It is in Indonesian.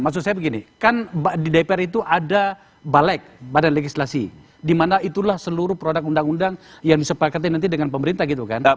maksud saya begini kan di dpr itu ada balek badan legislasi dimana itulah seluruh produk undang undang yang disepakati nanti dengan pemerintah gitu kan